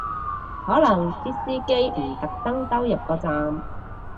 可能啲司機唔特登兜入個站